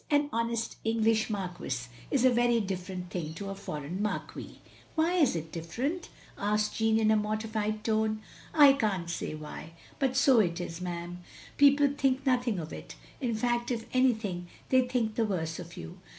An honest English marquis is a very different thing to a foreign marquee. " "Why is it different?" asked Jeaime, in a mor tified tone. "I can't say why, but so it is, 'm. People think nothing of it. In fact, if anything, they think the worse of you.